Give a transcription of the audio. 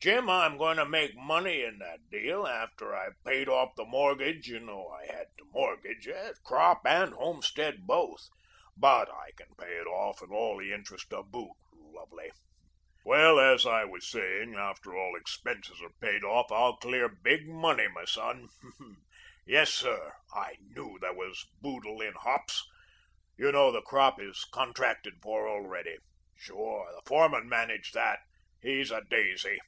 Jim, I'm going to make money in that deal. After I've paid off the mortgage you know I had to mortgage, yes, crop and homestead both, but I can pay it off and all the interest to boot, lovely, well, and as I was saying, after all expenses are paid off I'll clear big money, m' son. Yes, sir. I KNEW there was boodle in hops. You know the crop is contracted for already. Sure, the foreman managed that. He's a daisy.